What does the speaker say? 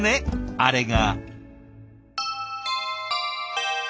あれが。